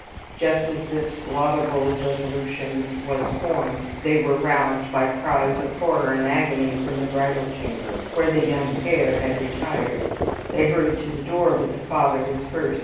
Just as this laudable resolution was formed, they were roused by cries of horror and agony from the bridal chamber, where the young pair had retired. They hurried to the door, but the father was first.